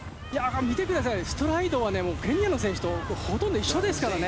ストライドはケニアの選手とほとんど一緒ですからね。